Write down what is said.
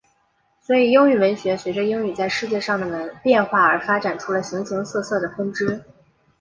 所以英语文学随着英语在世界上的变化而发展出了形形色色的分支。